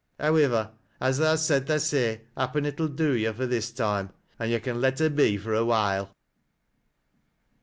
] Howivver, as tha has said thy say, happen it '11 do yo' fur this toime, an' yo' car let her be for a while."